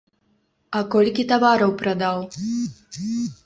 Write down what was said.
А колькі тавараў прадаў?